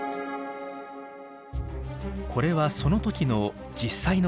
これはその時の実際の映像です。